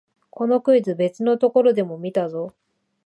このクイズ、別のところでも見たぞ